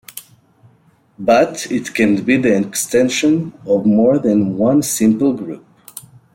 But it can be the extension of more than one simple group.